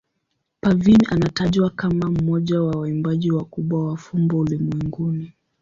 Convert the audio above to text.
Parveen anatajwa kama mmoja wa waimbaji wakubwa wa fumbo ulimwenguni.